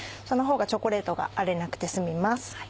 そのほうがチョコレートが荒れなくて済みます。